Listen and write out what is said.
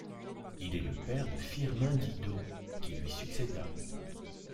Il est le père de Firmin Didot qui lui succéda.